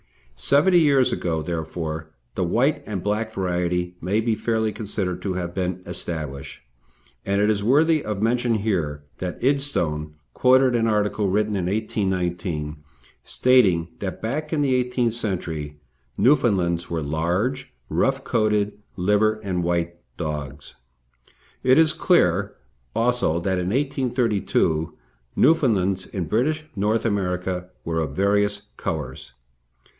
Seventy years ago, therefore, the white and black variety may be fairly considered to have been established, and it is worthy of mention here that "Idstone" quoted an article written in 1819 stating that back in the eighteenth century Newfoundlands were large, rough coated, liver and white dogs. It is clear, also, that in 1832 Newfoundlands in British North America were of various colours.